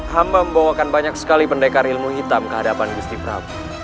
hamba membawakan banyak sekali pendekar ilmu hitam ke hadapan gusti prabu